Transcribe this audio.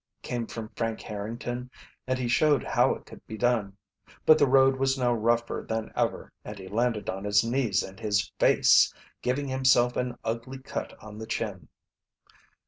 came from Frank Harrington, and he showed how it could be done. But the road was now rougher than ever, and he landed on his knees and his face, giving himself an ugly cut on the chin.